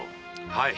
はい。